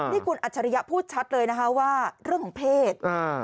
นี่คุณอัจฉริยะพูดชัดเลยนะคะว่าเรื่องของเพศ